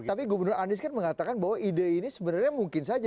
tapi gubernur anies kan mengatakan bahwa ide ini sebenarnya mungkin saja